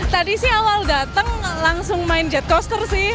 tadi sih awal datang langsung main jet coaster sih